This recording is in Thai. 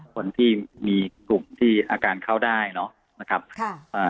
คนที่มีกลุ่มที่อาการเข้าได้เนอะนะครับค่ะอ่า